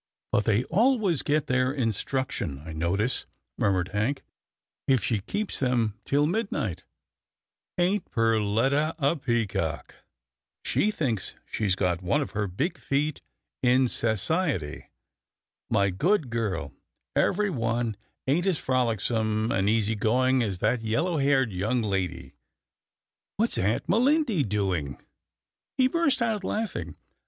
" But they always get their instruction, I notice," murmured Hank, "if she keeps them till midnight — ain't Perletta a peacock ? She thinks she's got one of her big feet in sassiety. My good girl, every one ain't as frolicsome and easy going as that yellow haired young lady — What's Aunt Melindy doing?" He burst out laughing.